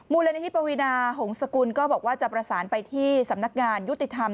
มูลนิธิปวีนาหงษกุลก็บอกว่าจะประสานไปที่สำนักงานยุติธรรม